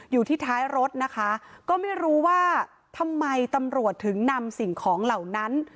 อยู่ที่ท้ายรถนะคะก็ไม่รู้ว่าทำไมตำรวจถึงนำสิ่งของเหล่านั้น